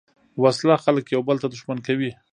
وسله خلک یو بل ته دښمن کوي